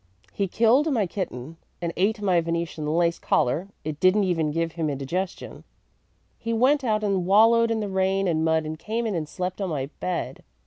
He killed my kitten, and ate my Venetian lace collar it didn't even give him indigestion. He went out and wallowed in the rain and mud and came in and slept on my bed.